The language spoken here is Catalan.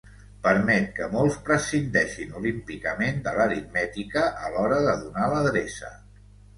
Permet que molts prescindeixen olímpicament de l'aritmètica a l'hora de donar l'adreça.